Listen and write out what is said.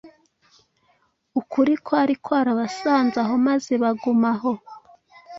Ukuri kwari kwarabasanze aho maze baguma aho.